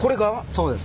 そうです。